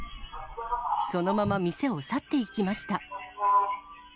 そのまま店を去っていきました。